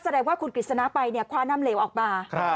แสดงว่าคุณกฤษณาไปคว้าน่ำเหลวออกมา